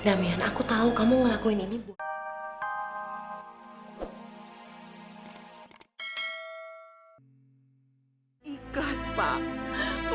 dapet orang gak enak lah